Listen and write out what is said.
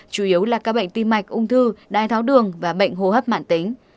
chủ yếu là các bệnh tim mạch ung thư đái tháo đường và bệnh hô hấp mạng tính